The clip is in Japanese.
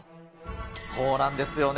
そうなんですよね。